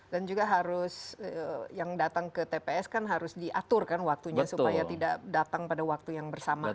dan juga harus yang datang ke tps kan harus diatur kan waktunya supaya tidak datang pada waktu yang bersamaan